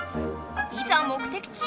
いざ目的地へ。